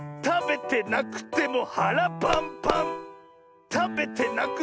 たべてなくてもはらパンパン！